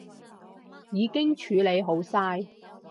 已經處理好晒